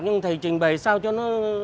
nhưng thầy trình bày sao cho nó